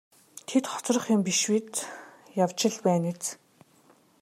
Тэд хоцрох юм биш явж л байна биз.